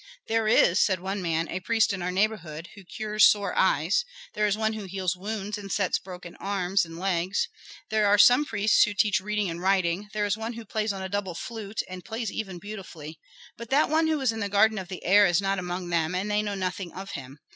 "There is," said one man, "a priest in our neighborhood who cures sore eyes; there is one who heals wounds and sets broken arms and legs. There are some priests who teach reading and writing; there is one who plays on a double flute, and plays even beautifully. But that one who was in the garden of the heir is not among them, and they know nothing of him.